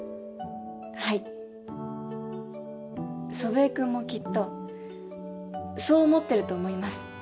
はい祖父江君もきっとそう思ってると思います